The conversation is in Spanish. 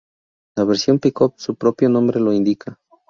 La versión pick-up, su propio nombre lo indica.